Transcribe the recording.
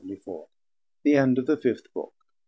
The End Of The Fifth Book.